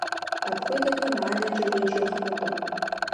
Апхуэдэхэм анэкӀэ уеджэ хъунукъым.